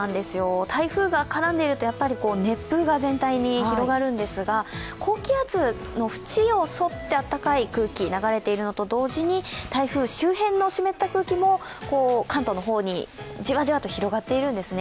台風が絡んでいると熱風が全体に広がるんですが高気圧の縁を沿って暖かい空気、流れていると同時に台風周辺の湿った空気も関東の方にじわじわと広がっているんです